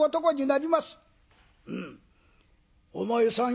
「うん。お前さん